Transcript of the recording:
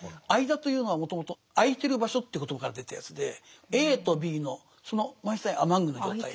「間」というのはもともと空いてる場所という言葉からできたやつでＡとＢのそのアマングの状態